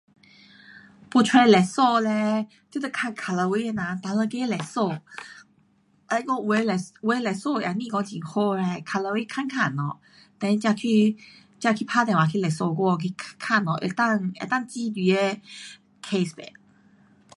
要找律师嘞，你得问靠牢围的人，哪一个律师，他讲有的律，有的律师也不讲很好的。靠牢围问问下 then 才去，才去打电话去问下能够，能够接你的 case 不。